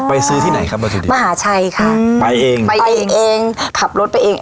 ซื้อที่ไหนครับมาถึงมหาชัยค่ะไปเองไปเองเองขับรถไปเอง